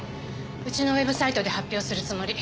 うちのウェブサイトで発表するつもり。